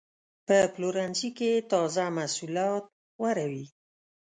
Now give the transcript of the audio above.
په پلورنځي کې تازه محصولات غوره وي.